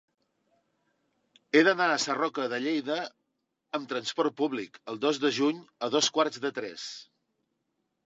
He d'anar a Sarroca de Lleida amb trasport públic el dos de juny a dos quarts de tres.